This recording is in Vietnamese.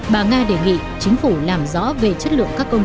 bà nga đề nghị chính phủ làm rõ về chất lượng các công ty